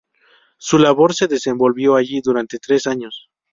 Su labor se desenvolvió allí durante tres años.